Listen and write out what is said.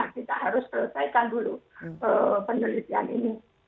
kita harus selesaikan dulu penelitian ini